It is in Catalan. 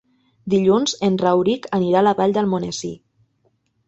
Dilluns en Rauric anirà a la Vall d'Almonesir.